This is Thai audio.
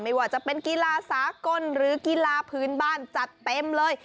ไม่ว่าจะเป็นกีฬาสากลหรือกีฬาพื้นบ้านจัดเต็มเลย